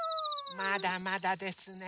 まだまだですね。